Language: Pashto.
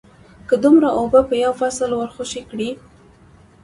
که دومره اوبه په یو فصل ورخوشې کړې